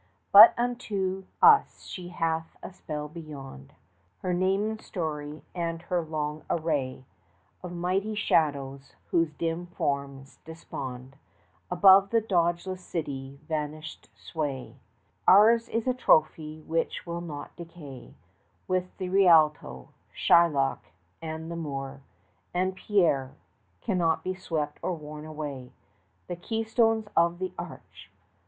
But unto us she hath a spell beyond Her name in story, and her long array Of mighty shadows, whose dim forms despond 30 Above the dogeless city's vanished sway; Ours is a trophy which will not decay With the Rialto; Shylock and the Moor, And Pierre, cannot be swept or worn away The keystones of the arch!